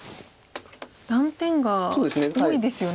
断点が多いですよね。